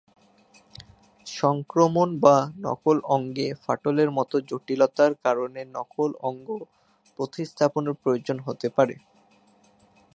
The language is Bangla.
সংক্রমণ বা নকল অঙ্গে ফাটলের মতো জটিলতার কারণে নকল অঙ্গ প্রতিস্থাপনের প্রয়োজন হতে পারে।